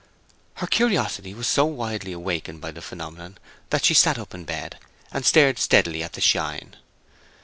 Her curiosity was so widely awakened by the phenomenon that she sat up in bed, and stared steadily at the shine.